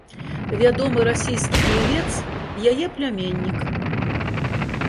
Вядомы расійскі плывец яе пляменнік.